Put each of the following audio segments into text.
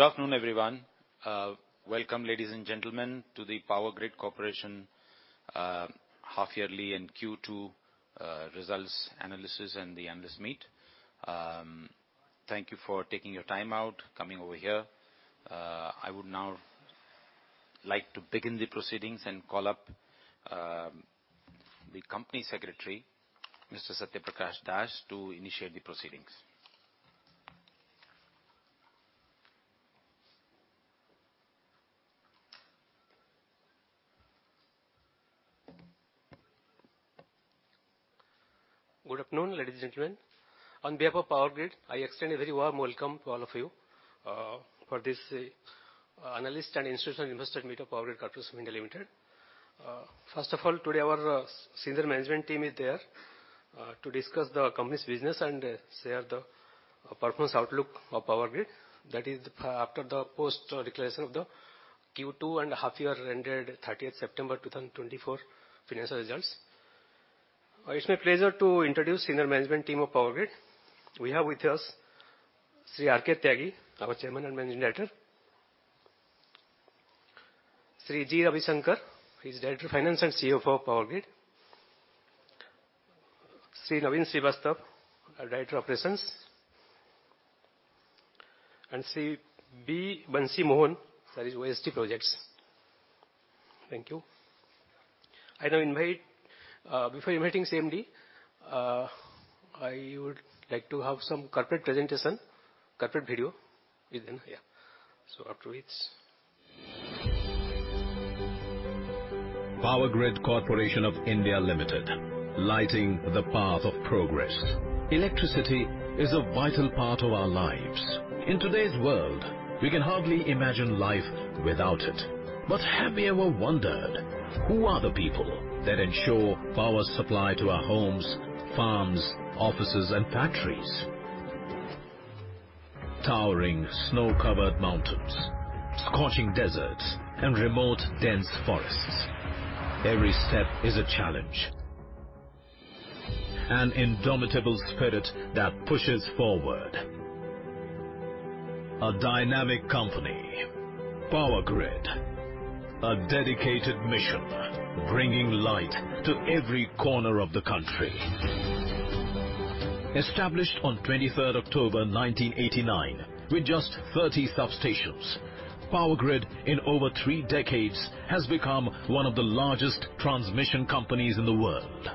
Good afternoon, everyone. Welcome, ladies and gentlemen, to the Power Grid Corporation half-yearly and Q2 results analysis and the analyst meet. Thank you for taking your time out, coming over here. I would now like to begin the proceedings and call up the company secretary, Mr. Satya Prakash Dash, to initiate the proceedings. Good afternoon, ladies and gentlemen. On behalf of Power Grid, I extend a very warm welcome to all of you for this analyst and institutional investor meetup, Power Grid Corporation Limited. First of all, today our senior management team is there to discuss the company's business and share the performance outlook of Power Grid. That is after the post-declaration of the Q2 and half-year ended 30th September 2024 financial results. It's my pleasure to introduce senior management team of Power Grid. We have with us Sri R. K. Tyagi, our Chairman and Managing Director. Sri G. Ravisankar, he's Director of Finance and CFO of Power Grid. Sri Naveen Srivastava, our Director of Operations. And Sri B. Vamsi Rama Mohan, that is OSD Projects. Thank you. I now invite, before inviting CMD, I would like to have some corporate presentation, corporate video within, yeah. So afterwards. Power Grid Corporation of India Limited, lighting the path of progress. Electricity is a vital part of our lives. In today's world, we can hardly imagine life without it. But have you ever wondered who are the people that ensure power supply to our homes, farms, offices, and factories? Towering snow-covered mountains, scorching deserts, and remote dense forests. Every step is a challenge. An indomitable spirit that pushes forward. A dynamic company, Power Grid, a dedicated mission, bringing light to every corner of the country. Established on 23rd October 1989 with just 30 substations, Power Grid in over three decades has become one of the largest transmission companies in the world.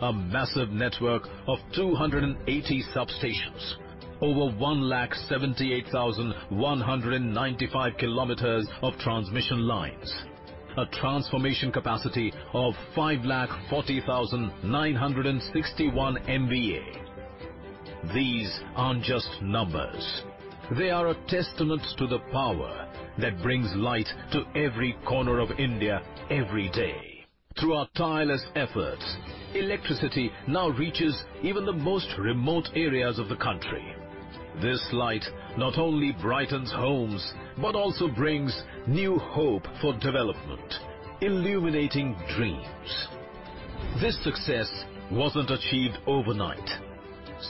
A massive network of 280 substations, over 178,195 kilometers of transmission lines, a transformation capacity of 540,961 MVA. These aren't just numbers. They are a testament to the power that brings light to every corner of India every day. Through our tireless efforts, electricity now reaches even the most remote areas of the country. This light not only brightens homes but also brings new hope for development, illuminating dreams. This success wasn't achieved overnight.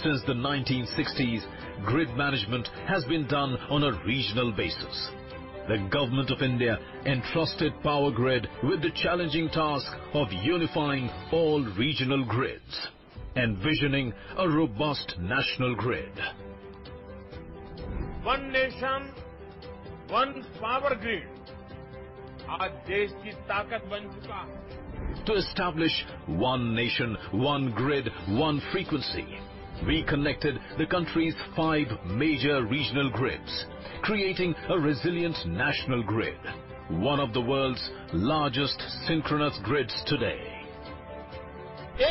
Since the 1960s, grid management has been done on a regional basis. The government of India entrusted Power Grid with the challenging task of unifying all regional grids, envisioning a robust national grid. One nation, one power grid, आज देश की ताकत बन चुका है. To establish One Nation, One Grid, One Frequency, we connected the country's five major regional grids, creating a resilient national grid, one of the world's largest synchronous grids today.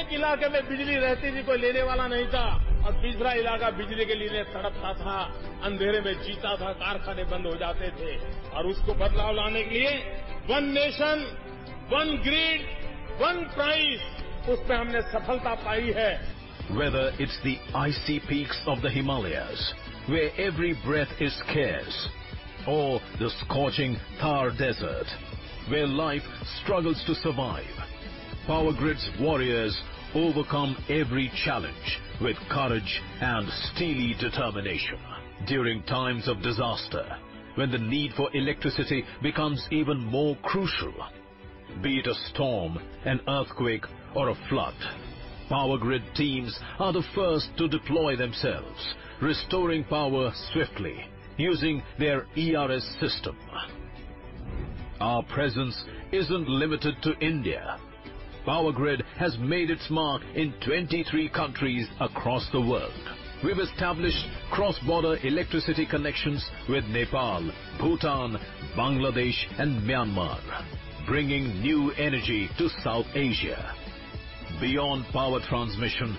एक इलाके में बिजली रहती थी, कोई लेने वाला नहीं था, और दूसरा इलाका बिजली के लिए तड़पता था, अंधेरे में जीता था, कारखाने बंद हो जाते थे. और उसको बदलाव लाने के लिए, one nation, one grid, one frequency, उसमें हमने सफलता पाई है. Whether it's the icy peaks of the Himalayas, where every breath is scarce, or the scorching Thar Desert, where life struggles to survive, Power Grid's warriors overcome every challenge with courage and steely determination. During times of disaster, when the need for electricity becomes even more crucial, be it a storm, an earthquake, or a flood, Power Grid teams are the first to deploy themselves, restoring power swiftly using their ERS system. Our presence isn't limited to India. Power Grid has made its mark in 23 countries across the world. We've established cross-border electricity connections with Nepal, Bhutan, Bangladesh, and Myanmar, bringing new energy to South Asia. Beyond power transmission,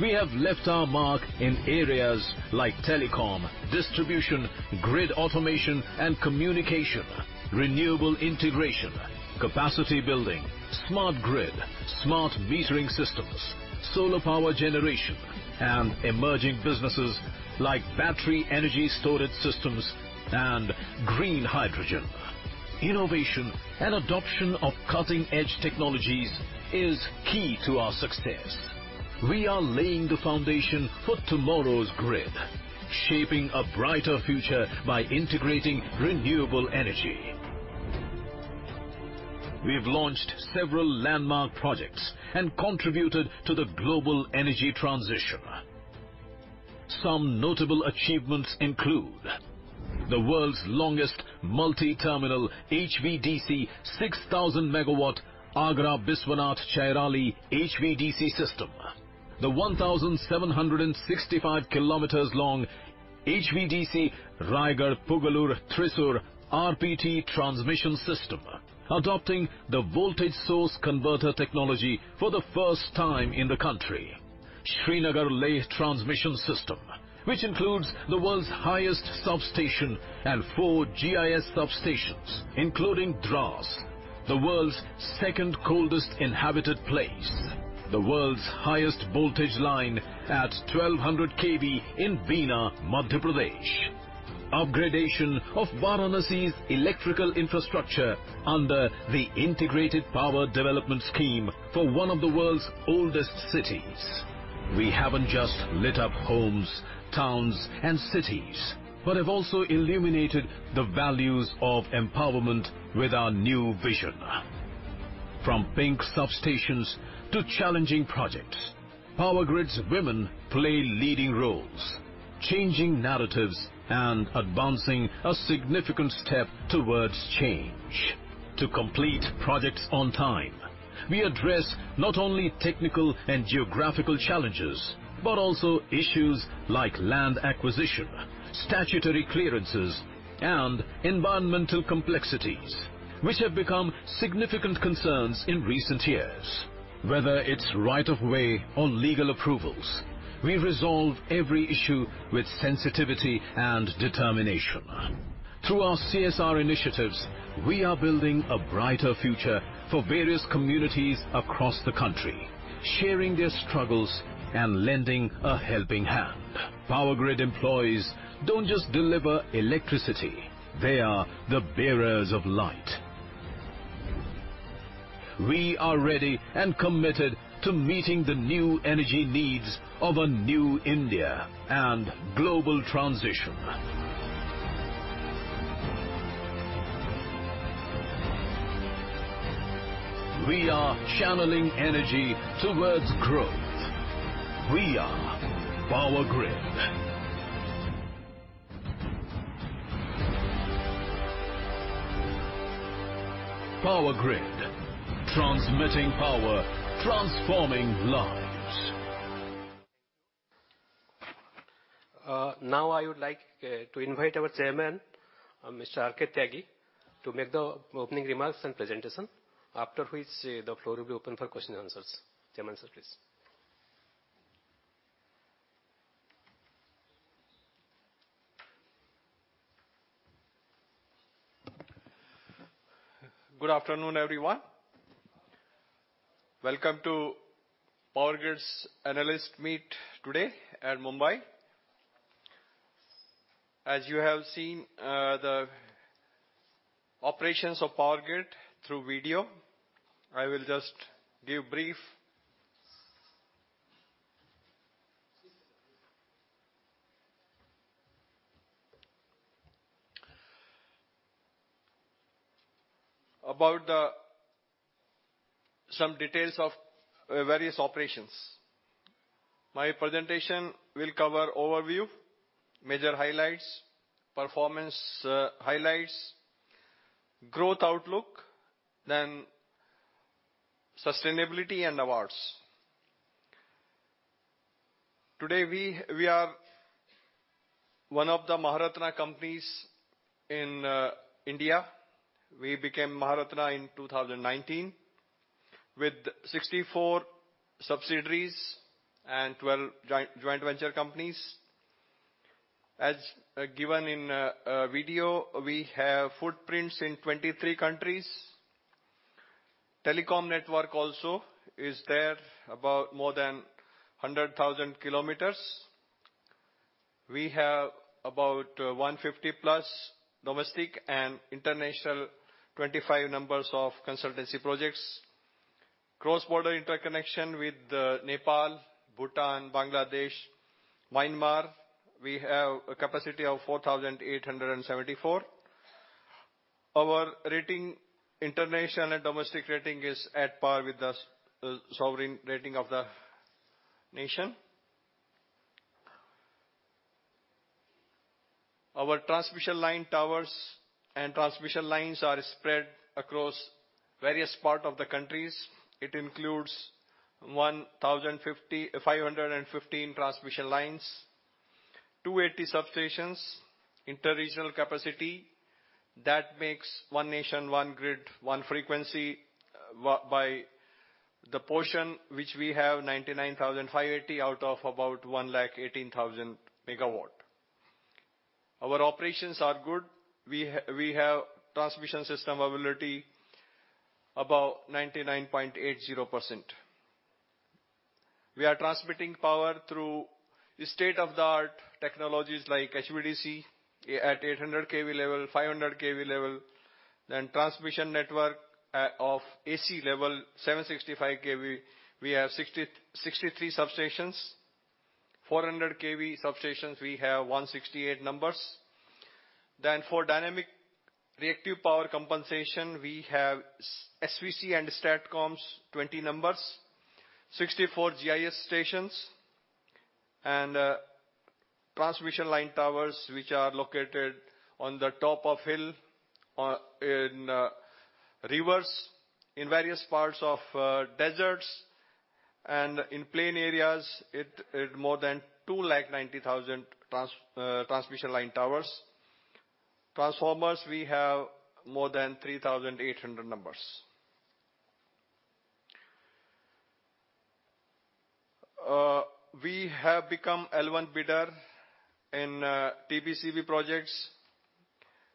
we have left our mark in areas like telecom, distribution, grid automation, and communication, renewable integration, capacity building, smart grid, smart metering systems, solar power generation, and emerging businesses like battery energy storage systems and green hydrogen. Innovation and adoption of cutting-edge technologies is key to our success. We are laying the foundation for tomorrow's grid, shaping a brighter future by integrating renewable energy. We've launched several landmark projects and contributed to the global energy transition. Some notable achievements include the world's longest multi-terminal HVDC, 6,000 MW, Agra-Biswanath Chariali HVDC system, the 1,765 kilometers long HVDC Raigarh-Pugalur-Thrissur RPT transmission system, adopting the voltage source converter technology for the first time in the country, Srinagar-Leh transmission system, which includes the world's highest substation and four GIS substations, including Dras, the world's second coldest inhabited place, the world's highest voltage line at 1,200 kV in Bina, Madhya Pradesh, upgradation of Varanasi's electrical infrastructure under the Integrated Power Development Scheme for one of the world's oldest cities. We haven't just lit up homes, towns, and cities, but have also illuminated the values of empowerment with our new vision. From pink substations to challenging projects, Power Grid's women play leading roles, changing narratives and advancing a significant step towards change. To complete projects on time, we address not only technical and geographical challenges but also issues like land acquisition, statutory clearances, and environmental complexities, which have become significant concerns in recent years. Whether it's right of way or legal approvals, we resolve every issue with sensitivity and determination. Through our CSR initiatives, we are building a brighter future for various communities across the country, sharing their struggles and lending a helping hand. Power Grid employees don't just deliver electricity; they are the bearers of light. We are ready and committed to meeting the new energy needs of a new India and global transition. We are channeling energy towards growth. We are Power Grid. Power Grid, transmitting power, transforming lives. Now I would like to invite our chairman, Mr. R. K. Tyagi, to make the opening remarks and presentation, after which the floor will be open for questions and answers. Chairman, sir, please. Good afternoon, everyone. Welcome to Power Grid's analyst meet today at Mumbai. As you have seen, the operations of Power Grid through video, I will just give a brief about some details of various operations. My presentation will cover overview, major highlights, performance highlights, growth outlook, then sustainability and awards. Today, we are one of the Maharatna companies in India. We became Maharatna in 2019 with 64 subsidiaries and 12 joint venture companies. As given in video, we have footprints in 23 countries. Telecom network also is there, about more than 100,000 kilometers. We have about 150-plus domestic and international 25 numbers of consultancy projects. Cross-border interconnection with Nepal, Bhutan, Bangladesh, Myanmar. We have a capacity of 4,874. Our rating international and domestic rating is at par with the sovereign rating of the nation. Our transmission line towers and transmission lines are spread across various parts of the countries. It includes 1,515 transmission lines, 280 substations, interregional capacity. That makes One Nation, One Grid, One Frequency by the portion which we have 99,580 out of about 118,000 MW. Our operations are good. We have transmission system availability about 99.80%. We are transmitting power through state-of-the-art technologies like HVDC at 800 kV level, 500 kV level, then transmission network, of AC level 765 kV. We have 63 substations, 400 kV substations, we have 168 numbers. Then, for dynamic reactive power compensation, we have SVC and STATCOMs, 20 numbers, 64 GIS stations, and transmission line towers which are located on the top of hill or in rivers in various parts of deserts and in plain areas. It more than 290,000 transmission line towers. Transformers, we have more than 3,800 numbers. We have become L1 bidder in TBCB projects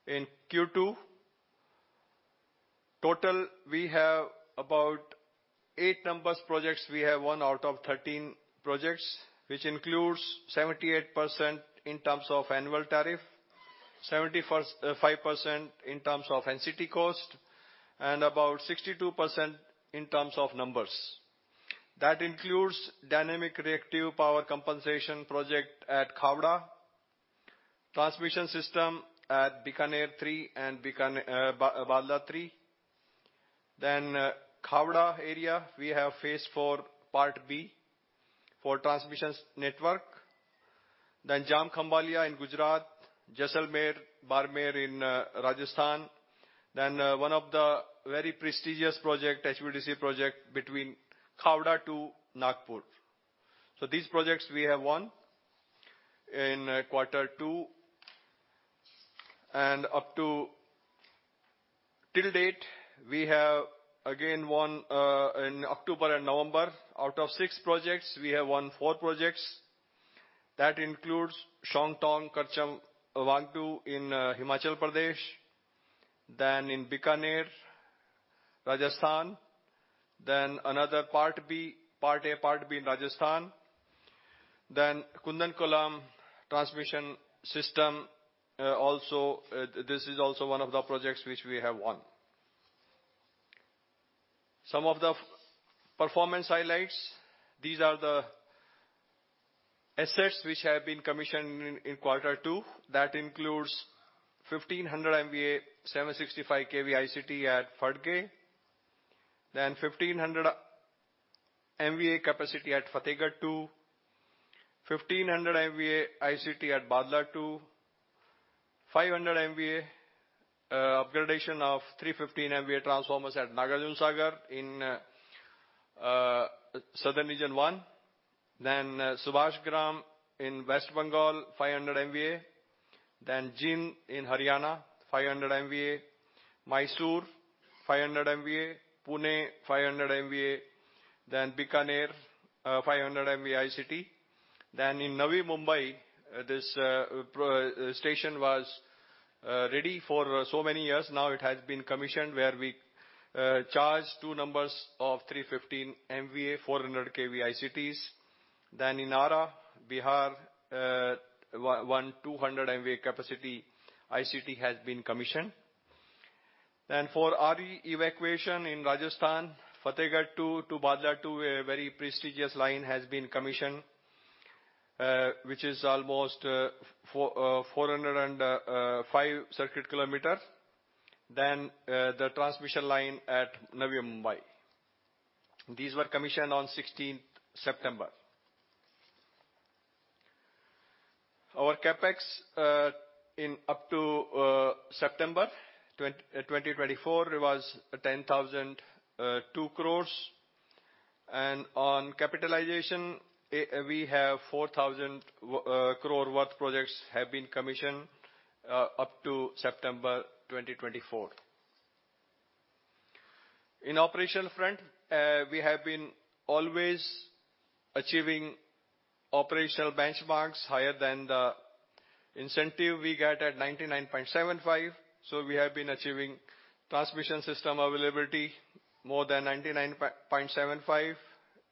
in Q2. Total, we have about eight numbers projects. We have one out of 13 projects which includes 78% in terms of annual tariff, 75% in terms of NCT cost, and about 62% in terms of numbers. That includes dynamic reactive power compensation project at Khavda, transmission system at Bikaner 3 and Bikaner Bhadla 3. Then Khavda area, we have phase four part B for transmission network. Then Jam Khambhaliya in Gujarat, Jaisalmer Barmer in Rajasthan. Then one of the very prestigious projects, HVDC project between Khavda to Nagpur. So these projects we have won in quarter two. And up to till date, we have again won, in October and November out of six projects, we have won four projects. That includes Shongtong Karcham Wangtoo in Himachal Pradesh, then in Bikaner, Rajasthan, then another part B, part A, part B in Rajasthan. Then Kudankulam transmission system, also, this is also one of the projects which we have won. Some of the performance highlights, these are the assets which have been commissioned in quarter two. That includes 1,500 MVA 765 kV ICT at Phagi, then 1,500 MVA capacity at Fatehgarh 2, 1,500 MVA ICT at Bhadla 2, 500 MVA, upgradation of 315 MVA transformers at Nagarjuna Sagar in Southern Region one, then Subhasgram in West Bengal, 500 MVA, then Jind in Haryana, 500 MVA, Mysuru 500 MVA, Pune 500 MVA, then Bikaner, 500 MVA ICT. Then in Navi Mumbai, this substation was ready for so many years. Now it has been commissioned where we charge two numbers of 315 MVA, 400 kV ICTs. Then in Arrah, Bihar, one 200 MVA capacity ICT has been commissioned. And for RE evacuation in Rajasthan, Fatehgarh 2 to Bhadla 2, a very prestigious line has been commissioned, which is almost 400 and 5 circuit kilometers. Then the transmission line at Navi Mumbai. These were commissioned on 16th September. Our CapEx up to September 2024 was 10,002 crore. And on capitalization, we have 4,000 crore worth projects that have been commissioned up to September 2024. On the operational front, we have always been achieving operational benchmarks higher than the incentive we get at 99.75%. So we have been achieving transmission system availability more than 99.75%.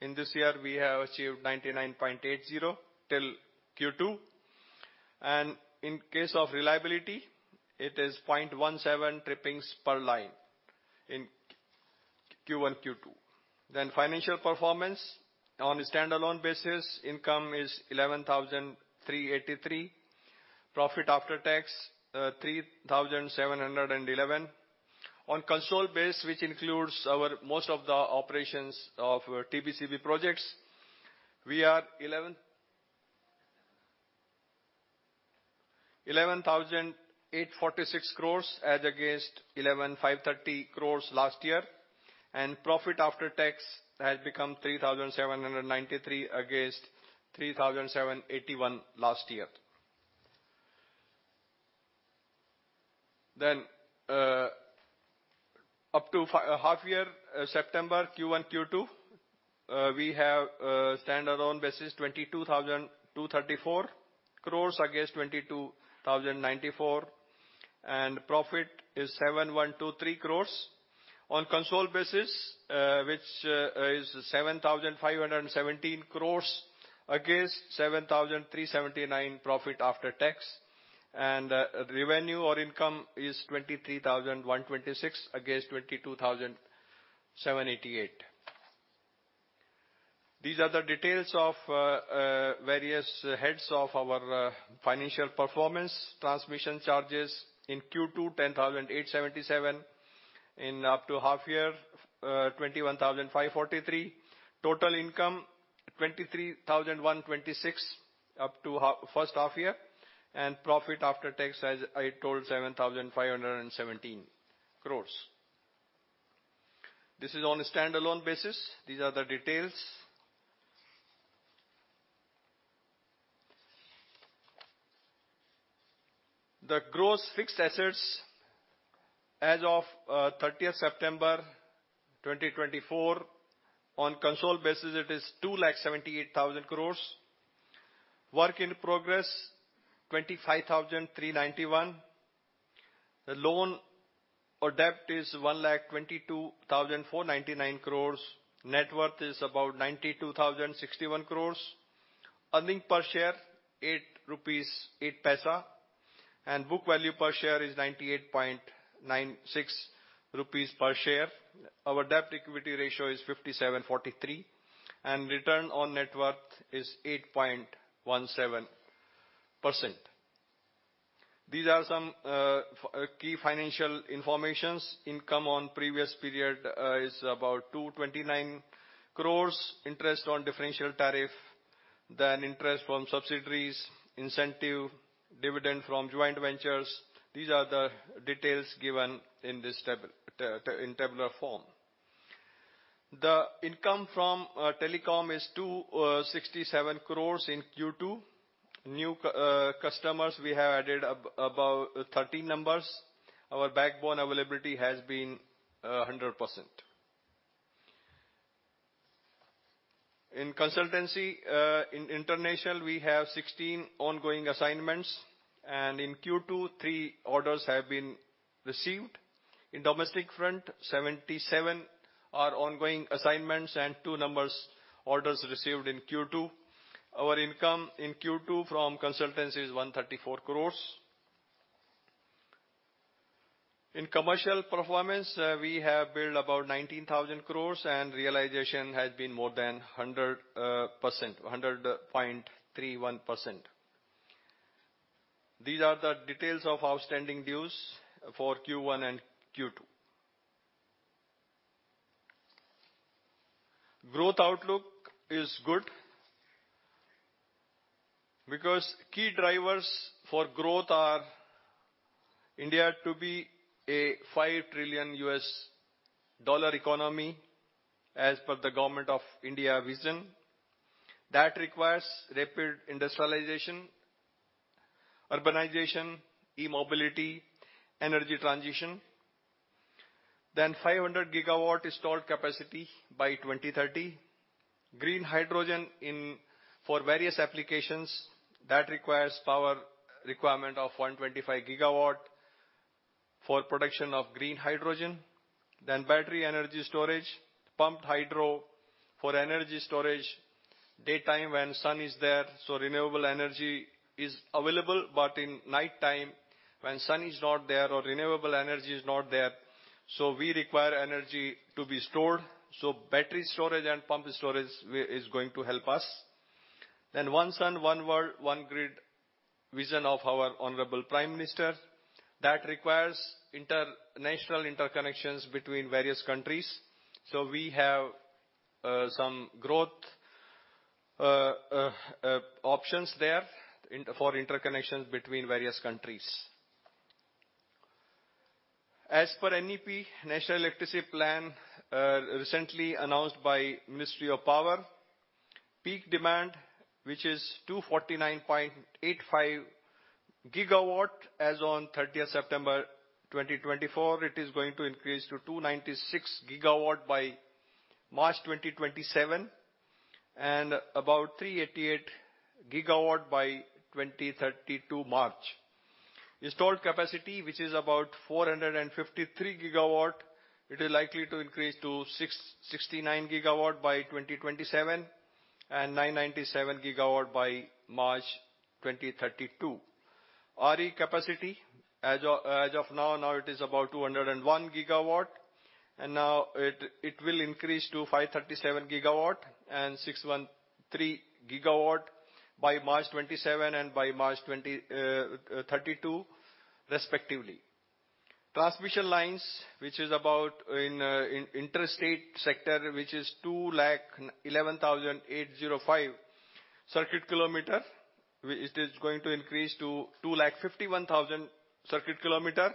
In this year, we have achieved 99.80% till Q2. And in case of reliability, it is 0.17 trippings per line in Q1, Q2. Then financial performance on a standalone basis, income is 11,383 crore, profit after tax 3,711 crore. On consolidated basis, which includes most of our operations of TBCB projects, we are 11,846 crore as against 11,530 crore last year. And profit after tax has become 3,793 crore against 3,781 crore last year. Then up to half year September Q1, Q2, we have standalone basis 22,234 crore against 22,094 crore, and profit is 7,123 crore. On consolidated basis, which is 7,517 crores against 7,379 profit after tax. Revenue or income is 23,126 against 22,788. These are the details of various heads of our financial performance transmission charges in Q2, 10,877 up to half year, 21,543. Total income 23,126 up to half first half year, and profit after tax as I told 7,517 crores. This is on a standalone basis. These are the details. The gross fixed assets as of 30th September 2024, on consolidated basis, it is 278,000 crores. Work in progress 25,391. The loan or debt is 122,499 crores. Net worth is about 92,061 crores. Earnings per share 8.08 rupees, and book value per share is 98.96 rupees. Our debt equity ratio is 0.5743, and return on net worth is 8.17%. These are some key financial information. Income on previous period is about 229 crores. Interest on differential tariff, then interest from subsidiaries, incentive, dividend from joint ventures. These are the details given in this tab in tabular form. The income from telecom is 267 crores in Q2. New customers we have added about 13 numbers. Our backbone availability has been 100%. In consultancy, in international, we have 16 ongoing assignments, and in Q2, three orders have been received. In domestic front, 77 are ongoing assignments and two numbers orders received in Q2. Our income in Q2 from consultancy is 134 crores. In commercial performance, we have billed about 19,000 crores, and realization has been more than 100%, 100.31%. These are the details of outstanding dues for Q1 and Q2. Growth outlook is good because key drivers for growth are India to be a $5 trillion economy as per the Government of India vision. That requires rapid industrialization, urbanization, e-mobility, energy transition. Then 500 GW installed capacity by 2030. Green hydrogen in for various applications. That requires power requirement of 125 GW for production of green hydrogen. Then battery energy storage, pumped hydro for energy storage daytime when sun is there. So renewable energy is available, but in nighttime when sun is not there or renewable energy is not there. So we require energy to be stored. So battery storage and pump storage is going to help us. Then One Sun, One World, One Grid vision of our Honorable Prime Minister. That requires international interconnections between various countries. So we have some growth options there for interconnections between various countries. As per NEP, National Electricity Plan, recently announced by Ministry of Power, peak demand which is 249.85 GW as on 30th September 2024. It is going to increase to 296 GW by March 2027 and about 388 GW by 2032 March. Installed capacity which is about 453 GW, it is likely to increase to 69 GW by 2027 and 997 GW by March 2032. RE capacity as of now, it is about 201 GW, and it will increase to 537 GW and 613 GW by March 2027 and by March 2032 respectively. Transmission lines which is about in interstate sector which is 211,805 circuit kilometer, it is going to increase to 251,000 circuit kilometer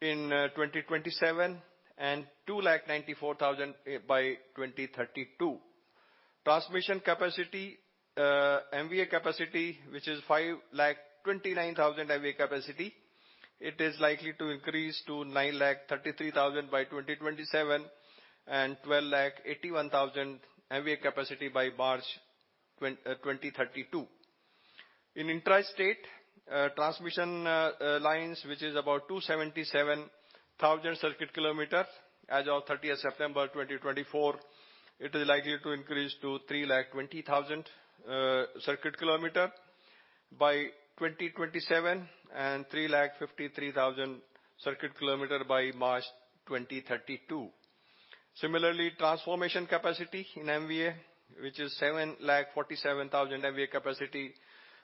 in 2027 and 294,000 by 2032. Transmission capacity, MVA capacity which is 529,000 MVA capacity, it is likely to increase to 933,000 by 2027 and 1281,000 MVA capacity by March 2032. In interstate transmission lines which is about 277,000 circuit kilometer as of 30th September 2024, it is likely to increase to 320,000 circuit kilometer by 2027 and 353,000 circuit kilometer by March 2032. Similarly, transformation capacity in MVA which is 747,000 MVA capacity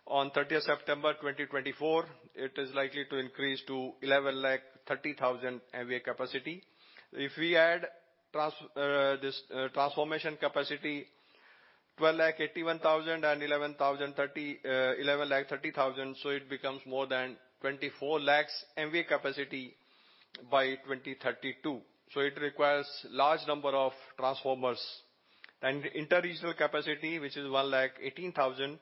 on 30th September 2024, it is likely to increase to 1,130,000 MVA capacity. If we add this transformation capacity 1,281,000 and 1,130,000, 1,130,000, so it becomes more than 24 lakhs MVA capacity by 2032, so it requires large number of transformers. And interregional capacity which is 118,000,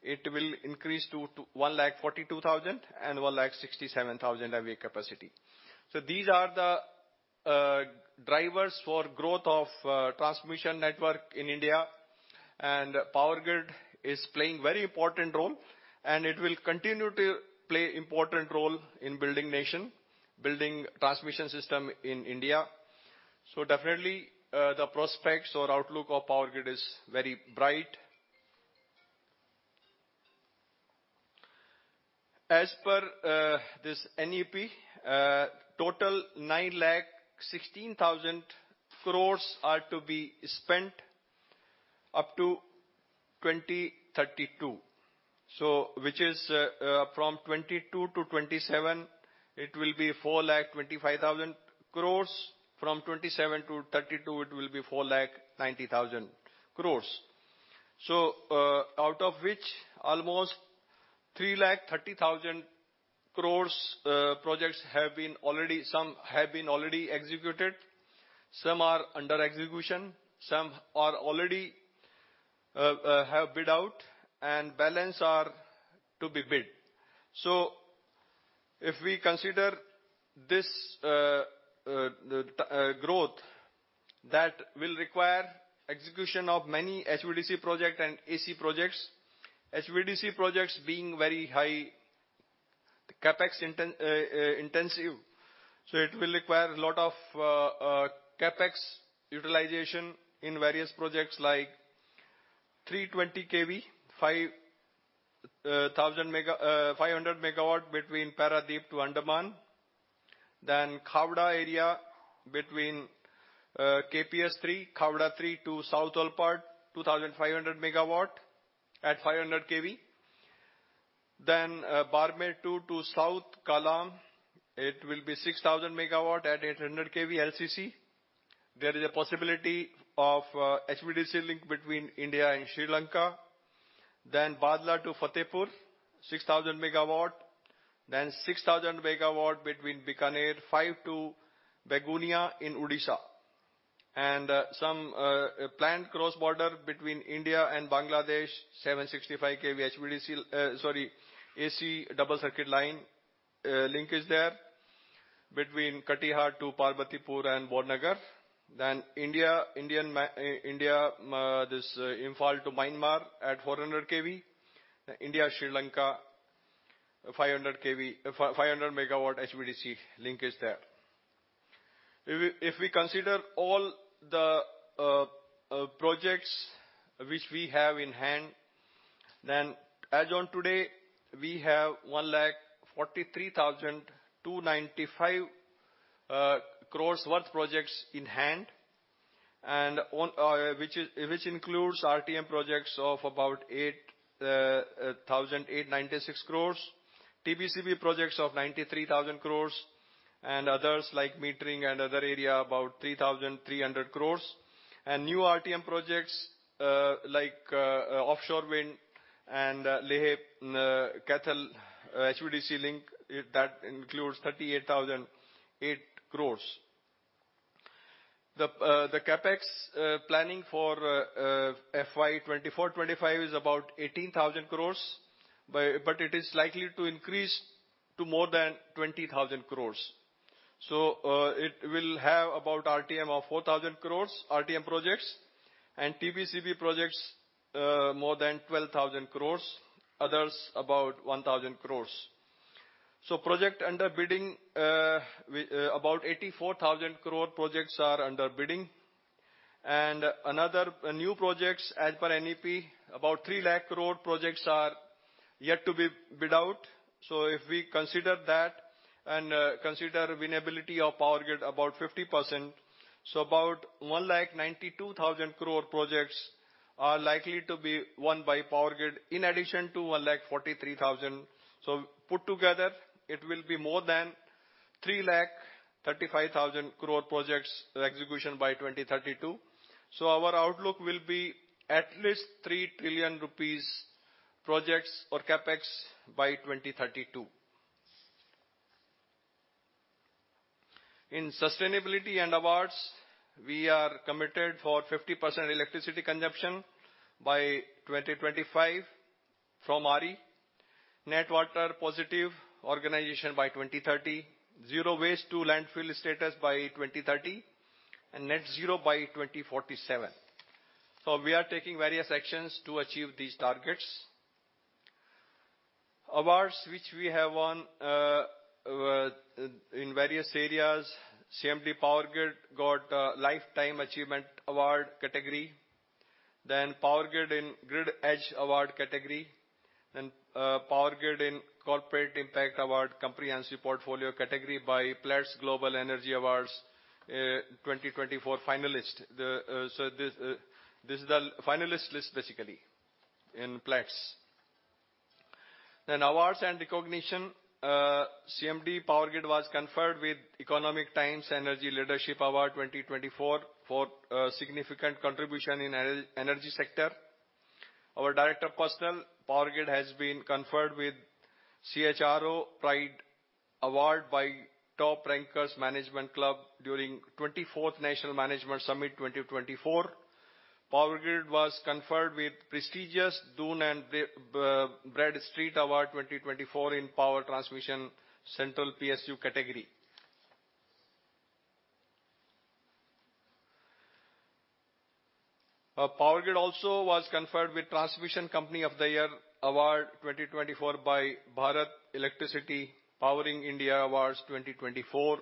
it will increase to 142,000 and 167,000 MVA capacity. So these are the drivers for growth of transmission network in India, and Power Grid is playing a very important role, and it will continue to play an important role in building nation, building transmission system in India. So definitely, the prospects or outlook of Power Grid is very bright. As per this NEP, total 916,000 crores are to be spent up to 2032. So which is from 2022 to 2027, it will be 425,000 crores. From 27 to 32, it will be 490,000 crores. So, out of which almost 330,000 crores, projects have been already, some have been executed, some are under execution, some have bid out, and balance are to be bid. So if we consider this, growth that will require execution of many HVDC projects and AC projects, HVDC projects being very high CapEx intensive, so it will require a lot of CapEx utilization in various projects like 320 kV 500 MW between Paradeep to Andaman, then Khavda area between KPS3, Khavda 3 to South Olpad, 2,500 MW at 500 kV. Then Barmer 2 to South Kallam, it will be 6,000 MW at 800 kV LCC. There is a possibility of HVDC link between India and Sri Lanka. Then Bhadla to Fatehgarh, 6,000 MW, then 6,000 MW between Bikaner 5 to Begunia in Odisha. Some planned cross-border between India and Bangladesh, 765 kV HVDC, sorry, AC double circuit line, link is there between Katihar to Parbatipur and Barnagar. Then India to Myanmar, Imphal to Myanmar at 400 kV. India-Sri Lanka, 500 kV, 500 MW HVDC link is there. If we consider all the projects which we have in hand, then as on today, we have 143,295 crores worth projects in hand, and which includes RTM projects of about 8,896 crores, TBCB projects of 93,000 crores, and others like metering and other area about 3,300 crores. New RTM projects like offshore wind and Leh-Pang HVDC link, that includes 38,008 crores. The CapEx planning for FY 2024-25 is about 18,000 crores, but it is likely to increase to more than 20,000 crores. So, it will have about RTM of 4,000 crores, RTM projects, and TBCB projects, more than 12,000 crores, others about 1,000 crores. So projects under bidding, about 84,000 crore projects are under bidding. And another new projects as per NEP, about 3 lakh crore projects are yet to be bid out. So if we consider that and consider winnability of Power Grid about 50%, so about 192,000 crore projects are likely to be won by Power Grid in addition to 143,000. So put together, it will be more than 335,000 crore projects execution by 2032. So our outlook will be at least 3 trillion rupees projects or CapEx by 2032. In sustainability and awards, we are committed for 50% electricity consumption by 2025 from RE, net water positive organization by 2030, zero waste to landfill status by 2030, and net zero by 2047. We are taking various actions to achieve these targets. Awards which we have won in various areas. CMD Power Grid got a Lifetime Achievement Award category. Then Power Grid in Grid Edge Award category. Then Power Grid in Corporate Impact Award comprehensive portfolio category by S&P Global Platts Global Energy Awards 2024 finalist. This is the finalist list basically in S&P Global Platts. Then awards and recognition. CMD Power Grid was conferred with The Economic Times Energy Leadership Award 2024 for significant contribution in energy sector. Our Director of Personnel, Power Grid has been conferred with CHRO Pride Award by Top Rankers Management Club during 24th National Management Summit 2024. Power Grid was conferred with prestigious Dun & Bradstreet Award 2024 in Power Transmission Central PSU category. Power Grid also was conferred with Transmission Company of the Year Award 2024 by Bharat Excellence Powering India Awards 2024.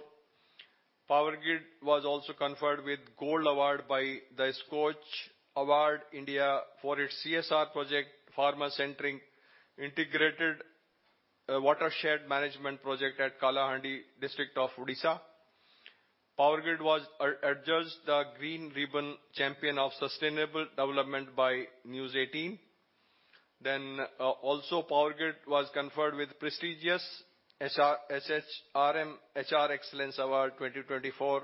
Power Grid was also conferred with Gold Award by the SKOCH Group for its CSR project, Farmer Centric Integrated Watershed Management Project at Kalahandi District of Odisha. Power Grid was adjudged the Green Ribbon Champion of Sustainable Development by News18. Then also Power Grid was conferred with prestigious SHRM HR Excellence Award 2024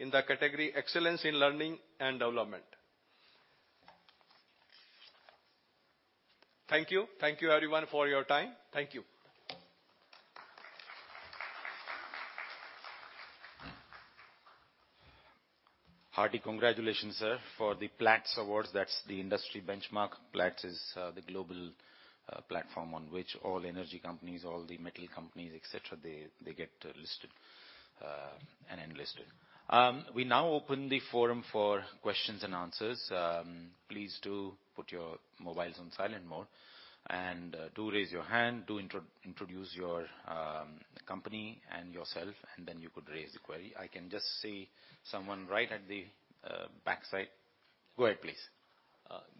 in the category Excellence in Learning and Development. Thank you. Thank you everyone for your time. Thank you. Hearty congratulations, sir, for the Platts Awards. That's the industry benchmark. Platts is the global platform on which all energy companies, all the metal companies, etc., they get listed and enlisted. We now open the forum for questions and answers. Please do put your mobiles on silent mode and do raise your hand, do introduce your company and yourself, and then you could raise the query. I can just see someone right at the backside. Go ahead, please.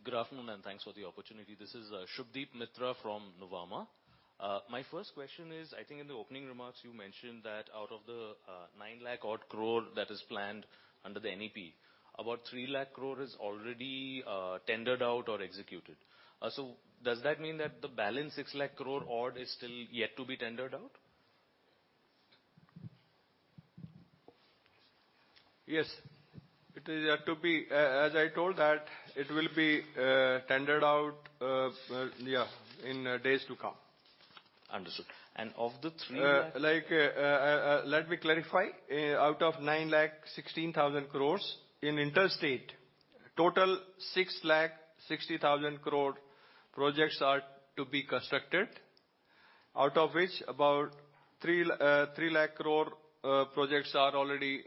Good afternoon and thanks for the opportunity. This is Subhadip Mitra from Nuvama. My first question is, I think in the opening remarks you mentioned that out of the 9 lakh crore that is planned under the NEP, about 3 lakh crore is already tendered out or executed. So does that mean that the balance 6 lakh crore odd is still yet to be tendered out? Yes, it is yet to be. As I told that it will be tendered out, yeah, in days to come. Understood. And of the 3 lakh... Like, let me clarify. Out of 9 lakh 16,000 crores in interstate, total 6 lakh 60,000 crore projects are to be constructed, out of which about 3 lakh crore projects are already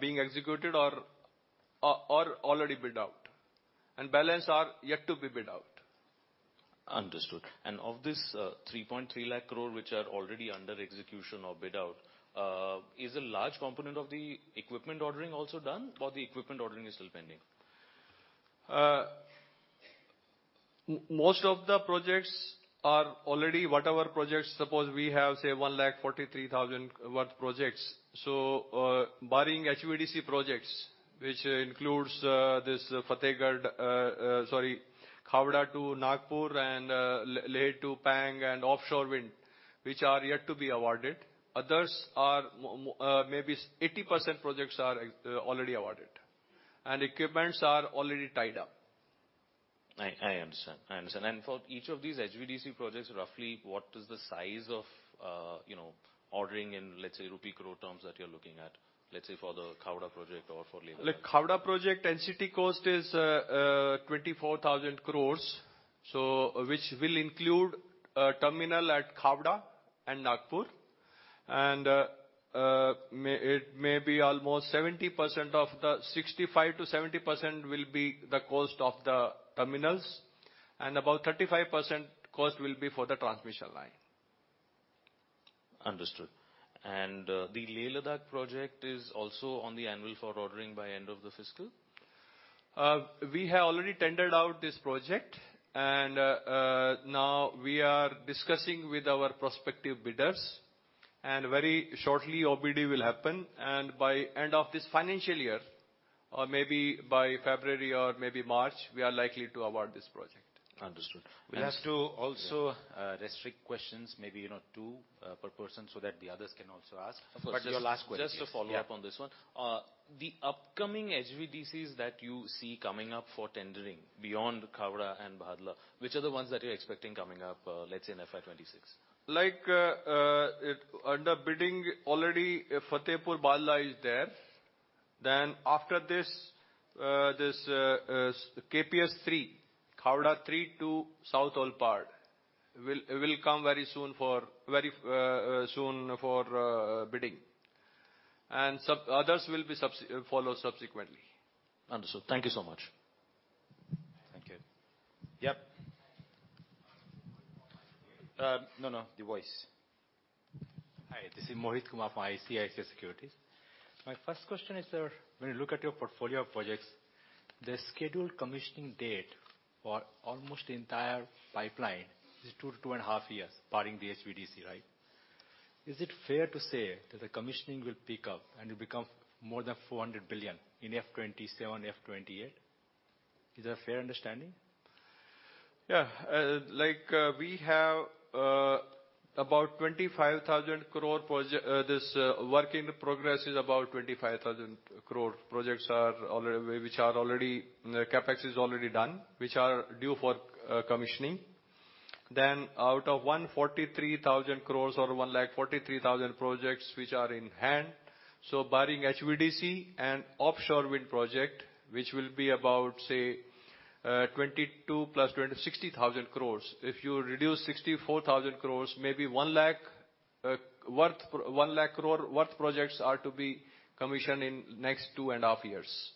being executed or already bid out, and balance are yet to be bid out. Understood. And of this 3.3 lakh crore which are already under execution or bid out, is a large component of the equipment ordering also done, or the equipment ordering is still pending? Most of the projects are already whatever projects. Suppose we have, say, 143,000 worth projects. So barring HVDC projects, which includes this Fatehgarh, sorry, Khavda to Nagpur and Leh to Pang and offshore wind, which are yet to be awarded, others are maybe 80% projects are already awarded, and equipments are already tied up. I understand. I understand. And for each of these HVDC projects, roughly what is the size of, you know, ordering in, let's say, rupee crore terms that you're looking at, let's say for the Khavda project or for Leh-Pang? Like Khavda project density cost is 24,000 crores, so which will include terminal at Khavda and Nagpur, and it may be almost 70% of the 65%-70% will be the cost of the terminals, and about 35% cost will be for the transmission line. Understood. And the Leh-Ladakh project is also on the anvil by end of the fiscal? We have already tendered out this project, and now we are discussing with our prospective bidders, and very shortly OBD will happen, and by end of this financial year, or maybe by February or maybe March, we are likely to award this project. Understood. We have to also restrict questions, maybe, you know, two per person so that the others can also ask. But your last question. Just to follow up on this one, the upcoming HVDCs that you see coming up for tendering beyond Khavda and Bhadla, which are the ones that you're expecting coming up, let's say in FY 2026? Like under bidding already Fatehgarh Bhadla is there. Then after this, this KPS3, Khavda 3 to South Olpad, will come very soon for bidding, and others will be followed subsequently. Understood. Thank you so much. Thank you. Hi, this is Mohit Kumar from ICICI Securities. My first question is, sir, when you look at your portfolio of projects, the scheduled commissioning date for almost the entire pipeline is 2 to 2.5 years, barring the HVDC, right? Is it fair to say that the commissioning will pick up and will become more than 400 billion in F27, F28? Is that a fair understanding? Yeah. Like we have about 25,000 crore projects. This work in progress is about 25,000 crore projects are already, which are already, CapEx is already done, which are due for commissioning. Then out of 143,000 crores or 143,000 projects which are in hand, so barring HVDC and offshore wind project, which will be about, say, 22 plus 60,000 crores. If you reduce 64,000 crores, maybe 1 lakh worth, 1 lakh crore worth projects are to be commissioned in next 2.5 years.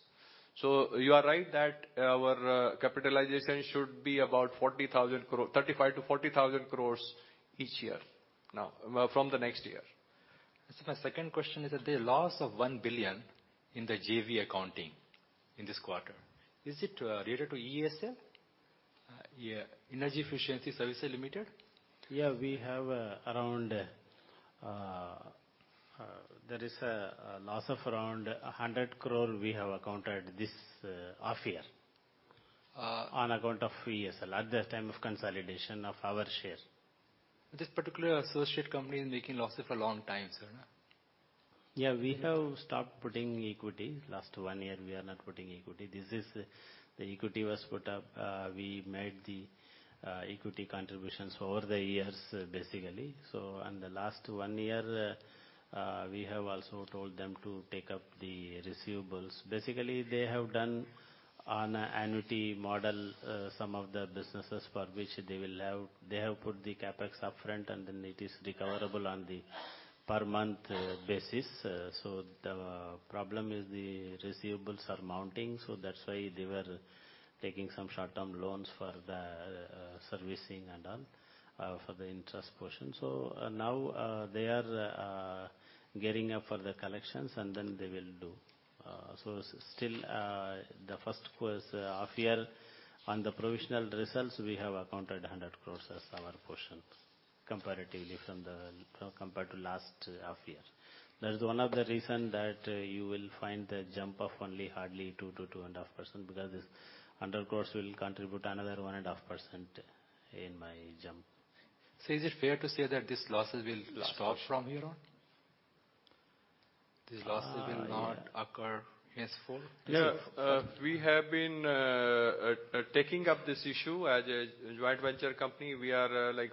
So you are right that our capitalization should be about 40,000 crore, 35,000-40,000 crores each year now from the next year. Sir, my second question is that the loss of 1 billion in the JV accounting in this quarter, is it related to EESL, Energy Efficiency Services Limited? Yeah, we have around, there is a loss of around 100 crore we have accounted this half year on account of EESL at the time of consolidation of our share. This particular associate company is making losses for a long time, sir, no? Yeah, we have stopped putting equity. Last one year we are not putting equity. This is the equity was put up. We made the equity contributions over the years, basically. So, and the last one year we have also told them to take up the receivables. Basically, they have done on an annuity model, some of the businesses for which they will have, they have put the CapEx upfront, and then it is recoverable on the per month basis. So the problem is the receivables are mounting, so that's why they were taking some short-term loans for the servicing and all for the interest portion. So now they are gearing up for the collections, and then they will do. So still the first half year on the provisional results, we have accounted 100 crores as our portion comparatively from the compared to last half year. That is one of the reasons that you will find the jump of only hardly 2%-2.5% because this 100 crores will contribute another 1.5% in my jump. So is it fair to say that this losses will stop from here on? These losses will not occur henceforth? Yeah. We have been taking up this issue as a joint venture company. We are like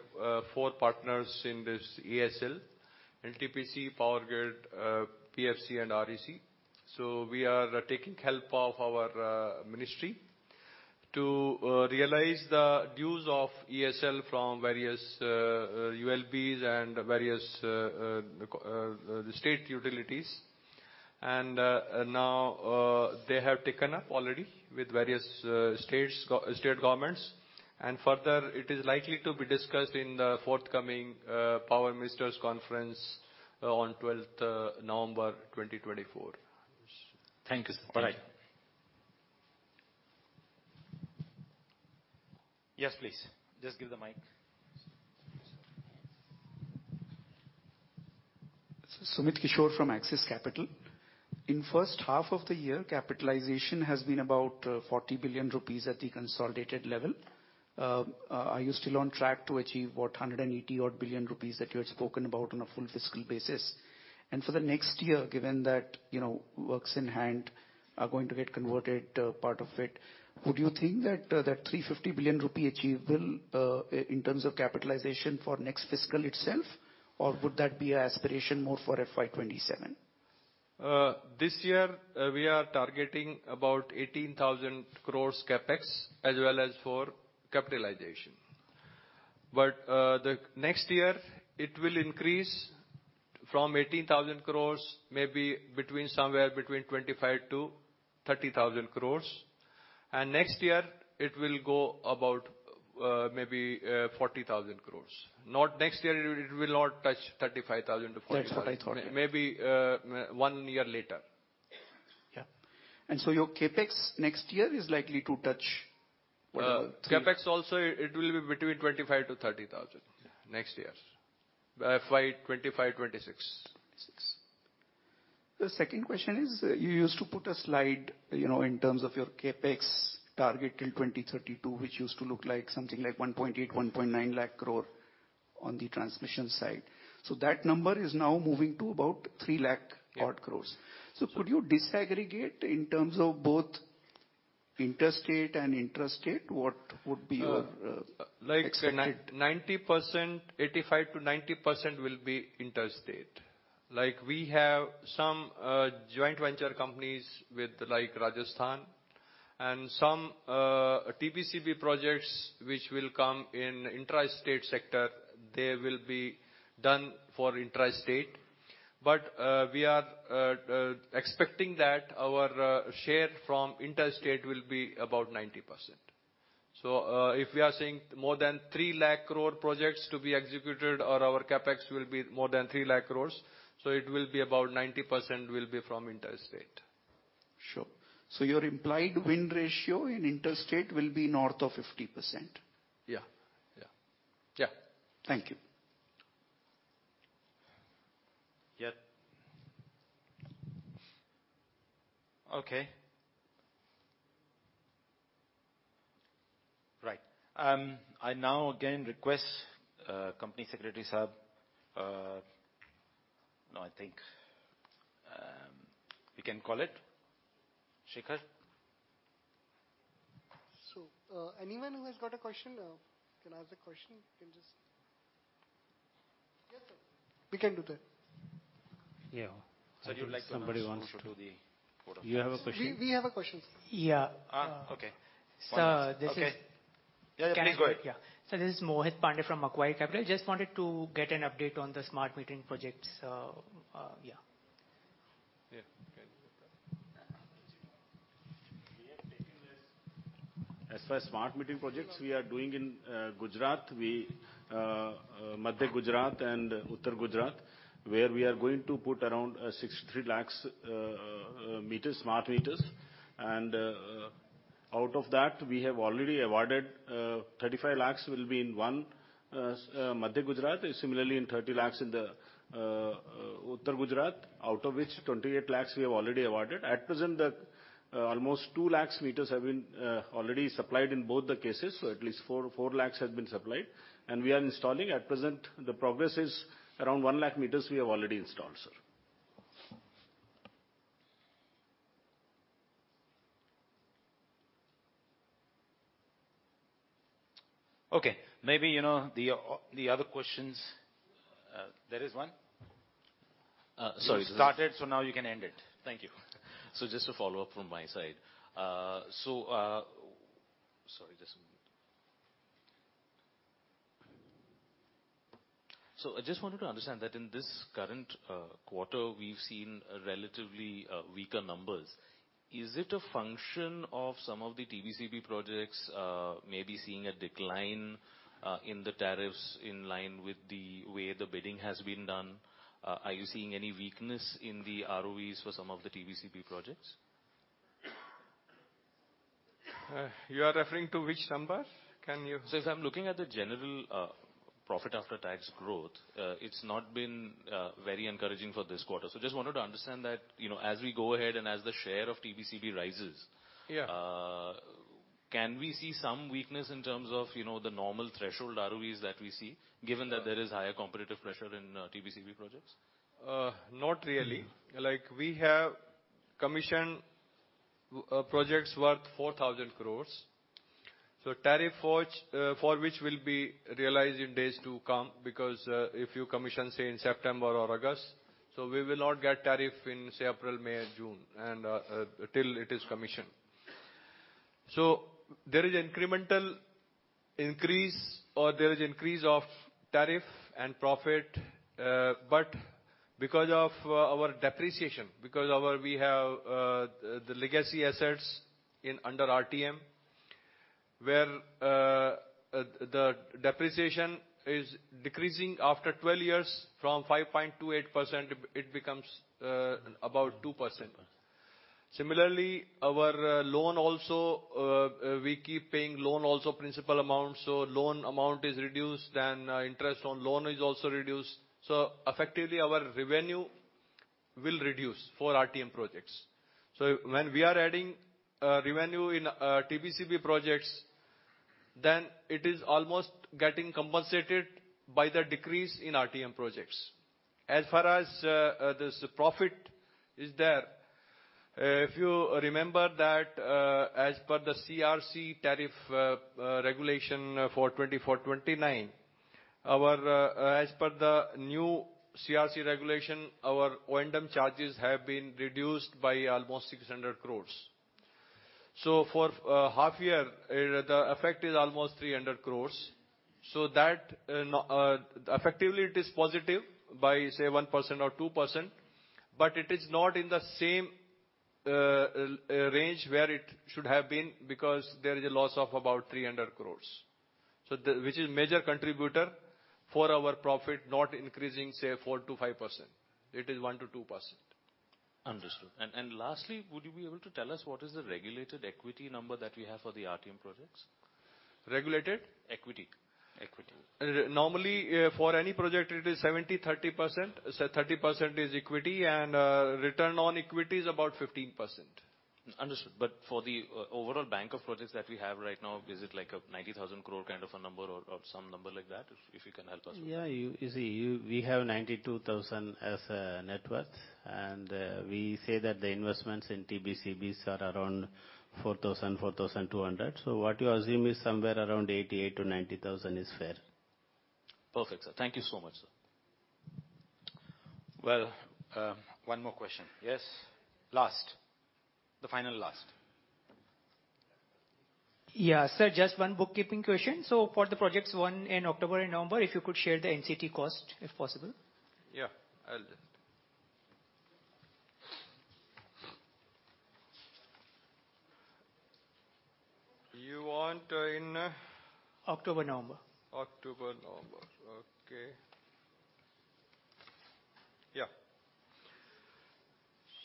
four partners in this EESL, NTPC, Power Grid, PFC, and REC, so we are taking help of our ministry to realize the dues of EESL from various ULBs and various state utilities, and now they have taken up already with various state governments. And further, it is likely to be discussed in the forthcoming Power Ministers Conference on 12th November 2024. Thank you, sir. Bye-bye. Yes, please. Just give the mic. This is Sumit Kishore from Axis Capital. In the first half of the year, capitalization has been about 40 billion rupees at the consolidated level. Are you still on track to achieve what, 180 odd billion that you had spoken about on a full fiscal basis? And for the next year, given that, you know, works in hand are going to get converted, part of it, would you think that that 350 billion rupee achievable in terms of capitalization for next fiscal itself, or would that be an aspiration more for FY 2027? This year we are targeting about 18,000 crores CapEx as well as for capitalization, but the next year it will increase from 18,000 crores, maybe somewhere between 25,000 to 30,000 crores, and next year it will go about maybe 40,000 crores. Not next year, it will not touch 35,000 to 40,000. Next 40,000. Maybe one year later. Yeah, and so your CapEx next year is likely to touch what about? CapEx also, it will be between 25,000 to 30,000 next year, FY 2025, 2026. The second question is, you used to put a slide, you know, in terms of your CapEx target till 2032, which used to look like something like 1.8, 1.9 lakh crore on the transmission side. So that number is now moving to about 3 lakh odd crores. So could you disaggregate in terms of both inter-state and intra-state, what would be your expectation? Like 90%, 85%-90% will be interstate. Like we have some joint venture companies with like Rajasthan and some TBCB projects which will come in interstate sector. They will be done for interstate. But we are expecting that our share from interstate will be about 90%. So if we are saying more than 3 lakh crore projects to be executed or our CapEx will be more than 3 lakh crores, so it will be about 90% will be from interstate. Sure. So your implied win ratio in interstate will be north of 50%? Yeah. Yeah. Yeah. Thank you. I now again request Company Secretary sir. No, I think we can call it. Shikhar. Anyone who has got a question can ask the question. Yes, sir. We can do that. Yeah. Somebody wants to do the. You have a question? We have a question, sir. Yeah. Okay. Sir, this is. Okay. Yeah, yeah, please go ahead. Yeah. So this is Mohit Pandya from Macquarie Capital. Just wanted to get an update on the smart metering projects. Yeah. Yeah. As far as smart metering projects, we are doing in Gujarat, Madhya Gujarat and Uttar Gujarat, where we are going to put around 63 lakh meters, smart meters. And out of that, we have already awarded 35 lakhs will be in one Madhya Gujarat, similarly in 30 lakhs in the Uttar Gujarat, out of which 28 lakhs we have already awarded. At present, almost 2 lakh meters have been already supplied in both the cases, so at least 4 lakhs have been supplied. And we are installing at present, the progress is around 1 lakh meters we have already installed, sir. Okay. Maybe, you know, the other questions. There is one. Sorry. Started, so now you can end it. Thank you. So just a follow-up from my side. So I just wanted to understand that in this current quarter, we've seen relatively weaker numbers. Is it a function of some of the TBCB projects maybe seeing a decline in the tariffs in line with the way the bidding has been done? Are you seeing any weakness in the ROEs for some of the TBCB projects? You are referring to which number? Can you? So if I'm looking at the general profit after tax growth, it's not been very encouraging for this quarter. So just wanted to understand that, you know, as we go ahead and as the share of TBCB rises, can we see some weakness in terms of, you know, the normal threshold ROEs that we see, given that there is higher competitive pressure in TBCB projects? Not really. Like we have commissioned projects worth 4,000 crores. So tariff for which will be realized in days to come because if you commission, say, in September or August, so we will not get tariff in, say, April, May, June, and till it is commissioned. So there is incremental increase or there is increase of tariff and profit. But because of our depreciation, because we have the legacy assets under RTM, where the depreciation is decreasing after 12 years from 5.28%, it becomes about 2%. Similarly, our loan also, we keep paying loan also principal amount. So loan amount is reduced, then interest on loan is also reduced. So effectively, our revenue will reduce for RTM projects. So when we are adding revenue in TBCB projects, then it is almost getting compensated by the decrease in RTM projects. As far as this profit is there, if you remember that as per the CERC tariff regulation for 2024-29, our as per the new CERC regulation, our O&M charges have been reduced by almost 600 crores. So for half year, the effect is almost 300 crores. So that effectively it is positive by, say, 1% or 2%. But it is not in the same range where it should have been because there is a loss of about 300 crores, which is a major contributor for our profit, not increasing, say, 4%-5%. It is 1%-2%. Understood. Lastly, would you be able to tell us what is the regulated equity number that we have for the RTM projects? Regulated? Equity. Equity. Normally for any project, it is 70-30%. So 30% is equity and return on equity is about 15%. Understood. But for the overall bank of projects that we have right now, is it like a 90,000 crore kind of a number or some number like that? If you can help us with that. Yeah. You see, we have 92,000 as net worth. And we say that the investments in TBCBs are around 4,000-4,200. So what you assume is somewhere around 88-90,000 is fair. Perfect, sir. Thank you so much, sir. Well, one more question. Yes? Last. The final last. Yeah, sir, just one bookkeeping question. So for the projects won in October and November, if you could share the NCT cost, if possible. Yeah. I'll do it. You want in? October, November. October, November. Okay. Yeah.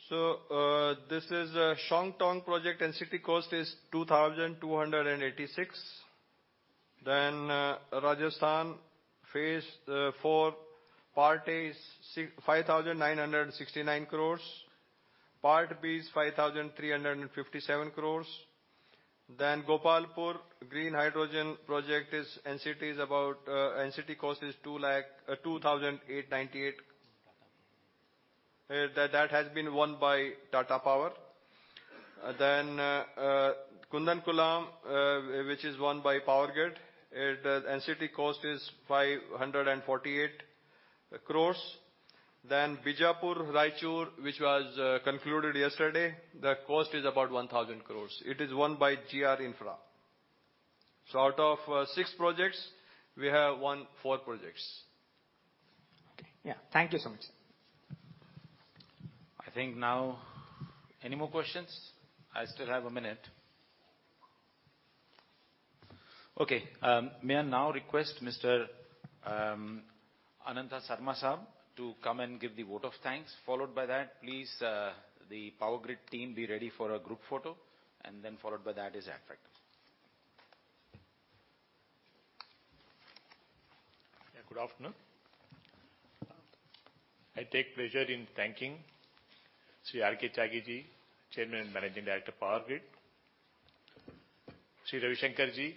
So this is Shongtong project. NCT cost is 2,286 crores. Then Rajasthan phase four, part A is 5,969 crores. Part B is 5,357 crores. Then Gopalpur green hydrogen project, NCT cost is about 2,898 crores. That has been won by Tata Power. Then Kudankulam, which is won by Power Grid, NCT cost is 548 crores. Then Bijapur Raichur, which was concluded yesterday, the cost is about 1,000 crores. It is won by G R Infraprojects. So out of six projects, we have won four projects. Okay. Yeah. Thank you so much, sir. I think now any more questions? I still have a minute. Okay. May I now request Mr. Anantha Sarma sir to come and give the vote of thanks? Followed by that, please, the Power Grid team be ready for a group photo. And then followed by that is Advocate. Yeah. Good afternoon. I take pleasure in thanking Sri R. K. Tyagi ji, Chairman and Managing Director, Power Grid. Sri G. Ravisankar ji,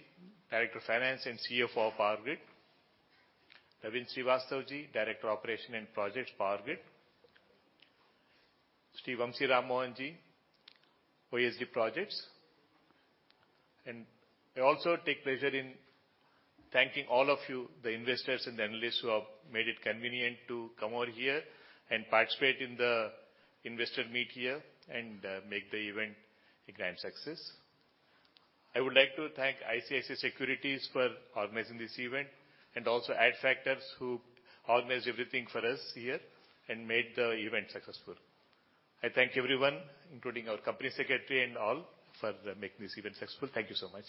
Director of Finance and CFO of Power Grid. Naveen Srivastava ji, Director of Operations and Projects, Power Grid. Sri B. Vamsi Rama Mohan ji, OSD Projects. And I also take pleasure in thanking all of you, the investors and the analysts who have made it convenient to come over here and participate in the investor meet here and make the event a grand success. I would like to thank ICICI Securities for organizing this event and also Adfactors who organized everything for us here and made the event successful. I thank everyone, including our company secretary and all, for making this event successful. Thank you so much.